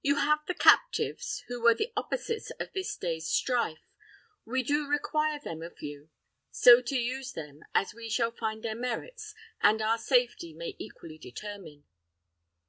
You have the captives, Who were the opposites of this day's strife! We do require them of you, so to use them As we shall find their merits and our safety May equally determine.